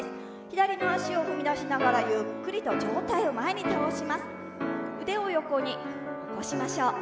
左の脚を踏み出しながらゆっくりと上体を前に倒しましょう。